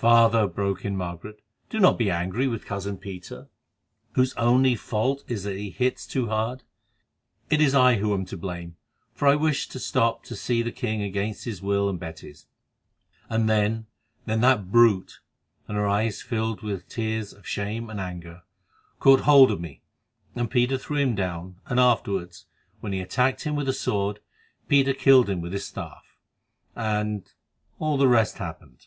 "Father," broke in Margaret, "do not be angry with cousin Peter, whose only fault is that he hits too hard. It is I who am to blame, for I wished to stop to see the king against his will and Betty's, and then—then that brute," and her eyes filled with tears of shame and anger, "caught hold of me, and Peter threw him down, and afterwards, when he attacked him with a sword, Peter killed him with his staff, and—all the rest happened."